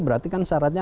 berarti kan syaratnya